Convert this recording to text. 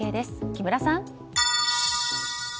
木村さん。